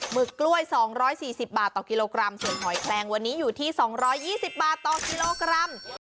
หมึกกล้วยสองร้อยสี่สิบบาทต่อกิโลกรัมส่วนหอยแคลงวันนี้อยู่ที่สองร้อยยี่สิบบาทต่อกิโลกรัม